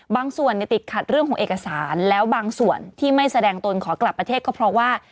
บางส่วนติดขัดเรื่องของเอกสารแล้วบางส่วนที่ไม่แสดงตนขอกลับประเทศก็เพราะว่า